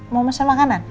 mau masak makanan